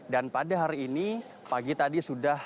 dan pada hari ini pagi tadi sudah